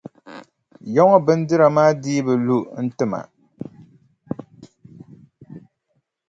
Yaŋɔ bindira maa dii bi lu n-ti ma.